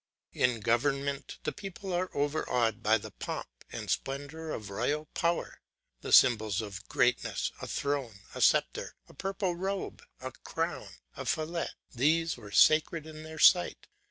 In government the people were over awed by the pomp and splendour of royal power. The symbols of greatness, a throne, a sceptre, a purple robe, a crown, a fillet, these were sacred in their sight.